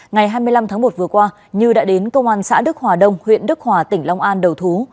ngày hai mươi năm tháng một vừa qua như đã đến công an xã đức hòa đông huyện đức hòa tỉnh long an đầu thú